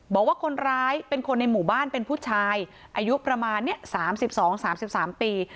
บอกว่าคนร้ายเป็นคนในหมู่บ้านเป็นผู้ชายอายุประมาณ๓๒๓๓ปี